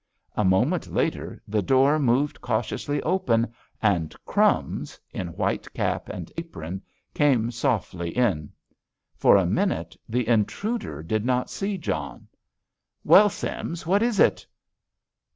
A moment later the door moved cautiously open, and "Crumbs," in white cap and apron, came softly in. For a minute the intruder did not see John. "Well, Sims, what is it?"